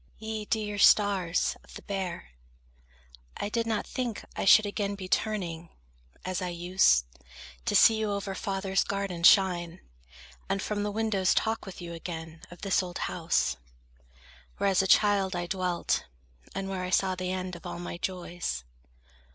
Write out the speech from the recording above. Ye dear stars of the Bear, I did not think I should again be turning, as I used, To see you over father's garden shine, And from the windows talk with you again Of this old house, where as a child I dwelt, And where I saw the end of all my joys.